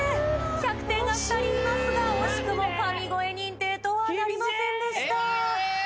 １００点が２人いますが惜しくも神声認定とはなりませんでした。